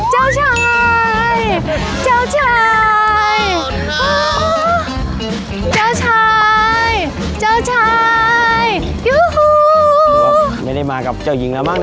เจ้าชายเจ้าชายเจ้าชายเจ้าชายอยู่หูไม่ได้มากับเจ้าหญิงแล้วมั้ง